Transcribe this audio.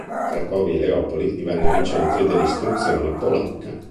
Cracovia e Leopoli divennero i centri dell'istruzione polacca.